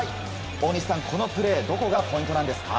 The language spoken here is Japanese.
大西さん、このプレーどこがポイントですか。